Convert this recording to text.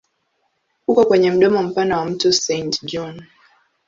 Uko kwenye mdomo mpana wa mto Saint John.